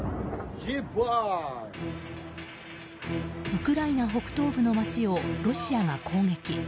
ウクライナ北東部の街をロシアが攻撃。